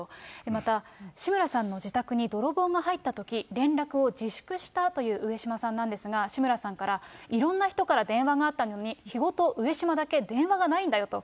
また、志村さんの自宅に泥棒が入ったとき、連絡を自粛したという上島さんなんですが、志村さんから、いろんな人から電話があったのに、肥後と上島だけ電話がないんだよと。